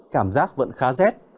cảm giác vẫn khá rét